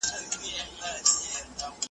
نو پر سر او ملا یې ورکړل ګوزارونه .